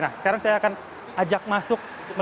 nah sekarang saya akan ajak masuk